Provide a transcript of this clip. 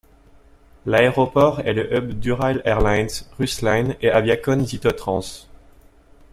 L'aéroport est le hub d'Ural Airlines, RusLine et Aviacon Zitotrans.